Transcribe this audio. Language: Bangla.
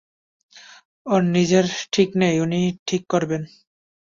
ওঁর নিজের ঠিক নেই, উনি ঠিক করবেন!